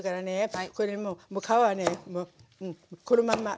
これもうもう皮はねこのまんま。